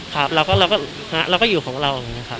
ครับเราก็อยู่ของเราอย่างนี้ครับ